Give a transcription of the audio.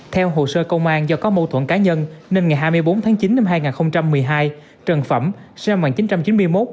theo hồ sơ công an do có mâu thuẫn cá nhân nên ngày hai mươi bốn tháng chín năm hai nghìn một mươi hai trần phẩm sinh năm một nghìn chín trăm chín mươi một